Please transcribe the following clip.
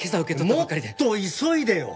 もっと急いでよ。